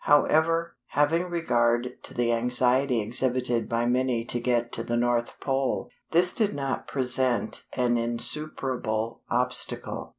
However, having regard to the anxiety exhibited by many to get to the North Pole, this did not present an insuperable obstacle.